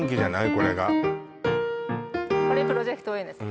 これがこれ「プロジェクトＡ」です